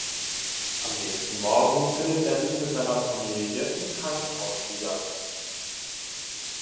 Am nächsten Morgen findet er sich mit seiner Familie im Krankenhaus wieder.